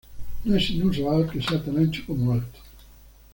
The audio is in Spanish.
No es inusual que sea tan ancho como alto.